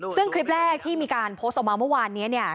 ซึ่งคลิปแรกที่มีการโพสต์ออกมาเมื่อวานนี้เนี่ย